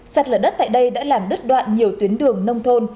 sạt lở đất tại đây đã làm đứt đoạn nhiều tuyến đường nông thôn